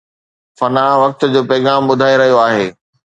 فنا وقت جو پيغام ٻڌائي رهيو آهي